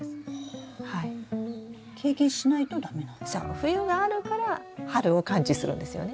冬があるから春を感知するんですよね。